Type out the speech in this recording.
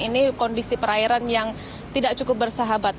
ini kondisi perairan yang tidak cukup bersahabat